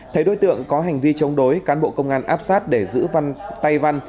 thấy đối tượng có hành vi chống đối cán bộ công an áp sát để giữ văn tay văn